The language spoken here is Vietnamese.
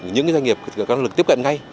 những doanh nghiệp có năng lực tiếp cận ngay